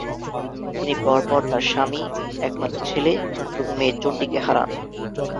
তিনি পরপর তার স্বামী, একমাত্র ছেলে এবং মেয়ে চন্ডিকে হারান।